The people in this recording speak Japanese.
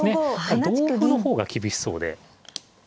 ただ同歩の方が厳しそうで。